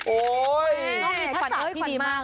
โอ้ยน้องมีทัศนที่ดีมาก